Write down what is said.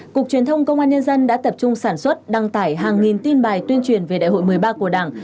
cục truyền thông công an nhân dân đã tập trung sản xuất đăng tải hàng nghìn tin bài tuyên truyền về đại hội một mươi ba của đảng